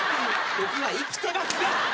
僕は生きてますよ。